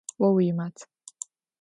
Vo vuimat.